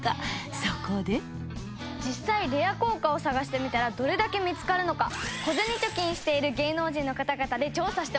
そこで実際、レア硬貨を探してみたらどれだけ見付かるのか小銭貯金している芸能人の方々で調査してもらいました。